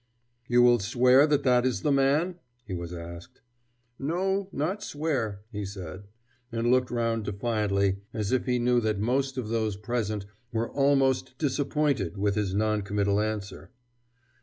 "You will swear that that is the man?" he was asked. "No, not swear," he said, and looked round defiantly, as if he knew that most of those present were almost disappointed with his non committal answer.